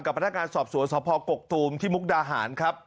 พนักงานสอบสวนสพกกตูมที่มุกดาหารครับ